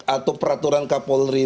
atau peraturan kapolri